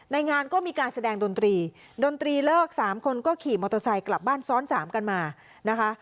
งานก็มีการแสดงดนตรีดนตรีเลิกสามคนก็ขี่มอเตอร์ไซค์กลับบ้านซ้อนสามกันมานะคะ